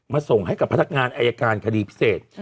ส่งให้กับพนักงานอายการคดีพิเศษ